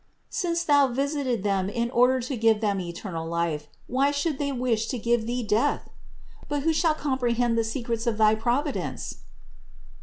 Since Thou visited them in order to give them eternal life, why should they wish to give Thee death? But who shall compre hend the secrets of thy Providence?